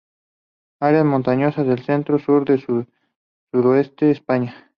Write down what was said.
Áreas montanas del centro, sur de y sudeste de España.